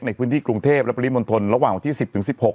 ในพื้นที่กรุงเทพและปริมณฑลระหว่างวันที่๑๐ถึง๑๖